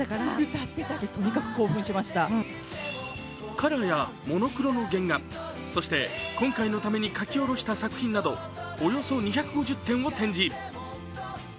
カラーやモノクロの原画、そして、今回のために描き下ろした作品などおよそ２５０点を展示。